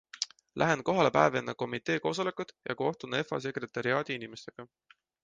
Lähen kohale päev enne komitee koosolekut ja kohtun UEFA sekretariaadi inimestega.